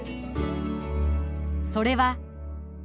それは。